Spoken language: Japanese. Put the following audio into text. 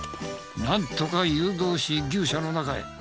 なんとか誘導し牛舎の中へ。